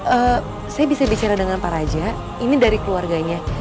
eee saya bisa bicara dengan pak raja ini dari keluarganya